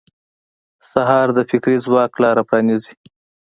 سهار د فکري ځواک لاره پرانیزي.